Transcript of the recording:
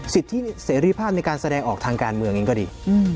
สิทธิเสรีภาพในการแสดงออกทางการเมืองเองก็ดี